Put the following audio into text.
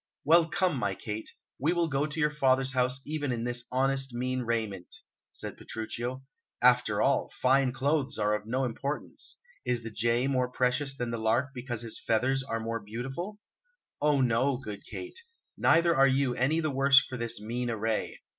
"Well, come, my Kate, we will go to your father's house even in this honest, mean raiment," said Petruchio. "After all, fine clothes are of no importance. Is the jay more precious than the lark because his feathers are more beautiful? Oh no, good Kate; neither are you any the worse for this mean array.